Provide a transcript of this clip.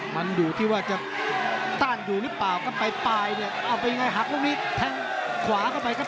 มันอยู่ที่ว่าจะต้านอยู่หรือเปล่ากันไป